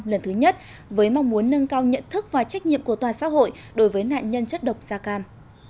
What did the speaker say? lần thứ nhất với mong muốn nâng cao nhận thức và trách nhiệm của toàn xã hội đối với nạn nhân chất độc da cam